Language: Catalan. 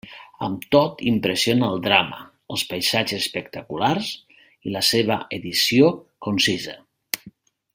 Amb tot impressiona el drama, els paisatges espectaculars i la seva edició concisa.